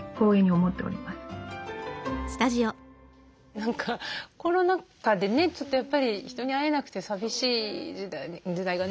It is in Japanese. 何かコロナ禍でねちょっとやっぱり人に会えなくて寂しい時代がね